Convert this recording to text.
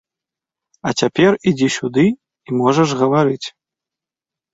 А цяпер ідзі сюды і можаш гаварыць.